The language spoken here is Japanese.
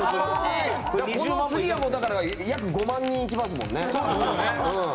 この次は約５万人いきますもんね。